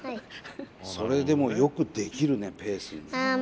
それでもよくできるねペーすんの。